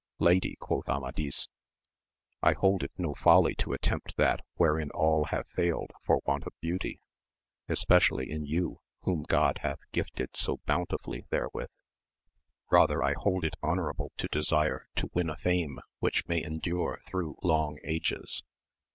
Lady, quoth Amadis, I hold it no folly to attempt that wherein all have failed for want of beauty, especially in you whom God hath gifted so bountifully therewith, rather I hold it honourable to desire to win a fame which may endure through long ages.